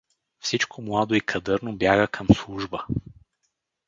Всичко младо и кадърно бяга към служба.